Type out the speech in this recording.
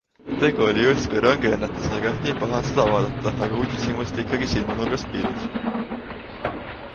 Tegu oli justkui rongiõnnetusega - nii paha on seda vaadata, aga uudishimust ikkagi silmanurgast piilud.